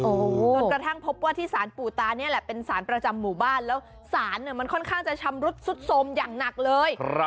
จนกระทั่งพบว่าที่สารปู่ตานี่แหละเป็นสารประจำหมู่บ้านแล้วสารมันค่อนข้างจะชำรุดสุดสมอย่างหนักเลย